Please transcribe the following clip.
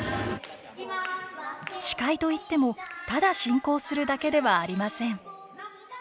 司会といってもただ進行するだけではありません。